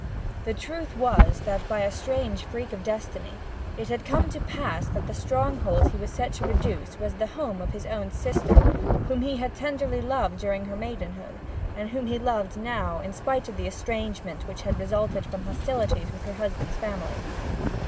The truth was that, by a strange freak of destiny, it had come to pass that the stronghold he was set to reduce was the home of his own sister, whom he had tenderly loved during her maidenhood, and whom he loved now, in spite of the estrangement which had resulted from hostilities with her husband's family.